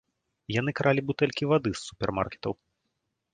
Яны кралі бутэлькі вады з супермаркетаў.